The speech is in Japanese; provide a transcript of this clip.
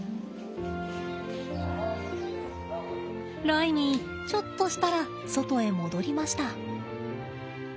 ライミーちょっとしたら外へ戻りました。